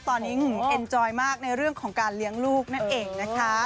ตอนนี้เอ็นจอยมากในเรื่องของการเลี้ยงลูกนั่นเองนะคะ